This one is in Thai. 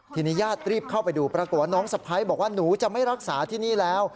ทีนี้ญาติรีบเข้าไปดูปรากฏว่าน้องสะพ้ายบอกว่าหนูจะไม่รักษาที่นี่แล้ว